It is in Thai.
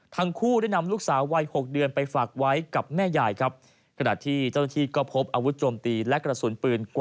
ทั้งคู่ได้นำลูกสาววัย๖เดือนไปฝากไว้กับแม่ยายครับ